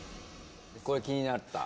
これ気になった？